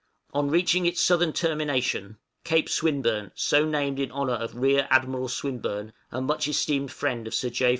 On reaching its southern termination Cape Swinburne, so named in honor of Rear Admiral Swinburne, a much esteemed friend of Sir J.